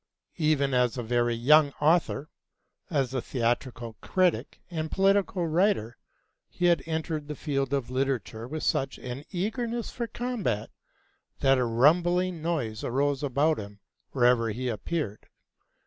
Even as a very young author, as a theatrical critic and political writer, he had entered the field of literature with such an eagerness for combat that a rumbling noise arose about him wherever he appeared.